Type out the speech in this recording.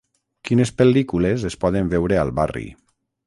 Quines pel·lícules es poden veure al barri